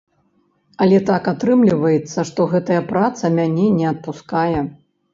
Але так атрымліваецца, што гэтая праца мяне не адпускае.